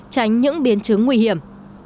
tránh những biến chứng nguy hiểm